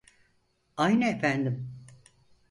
Aynı efendim